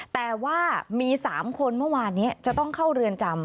แต่ว่ามี๓คนเมื่อวานนี้จะต้องเข้าเรือนจำ